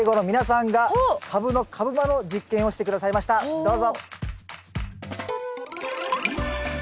どうぞ！